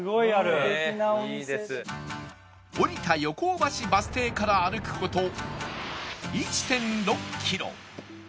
降りた横尾橋バス停から歩く事 １．６ キロ